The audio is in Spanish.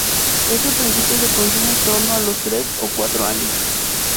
Este principio se consigue en torno a los tres ó cuatro años.